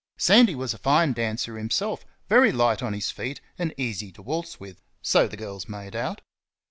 Sandy was a fine dancer himself, very light on his feet and easy to waltz with so the girls made out.